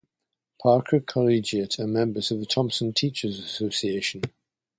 Parker Collegiate are members of the Thompson Teachers' Association.